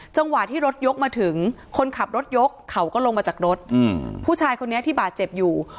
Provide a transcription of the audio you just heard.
จังหวะที่รถยกมาถึงคนขับรถยกเขาก็ลงมาจากรถผู้ชายคนนี้ที่บาดเจ็บอยู่